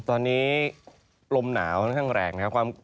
ตอนนี้ลมหนาวน่างแหล่งนะครับ